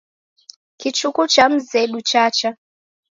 Kichuku cha mzedu chacha